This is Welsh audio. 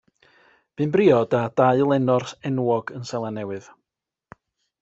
Bu'n briod â dau lenor enwog yn Seland Newydd.